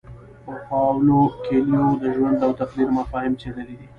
پاولو کویلیو د ژوند او تقدیر مفاهیم څیړلي دي.